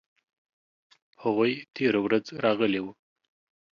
هغوی تیره ورځ راغلي وو